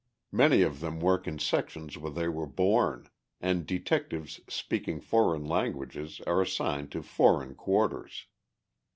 Many of them work in sections where they were born, and detectives speaking foreign languages are assigned to foreign quarters.